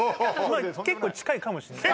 結構近いかもしんない？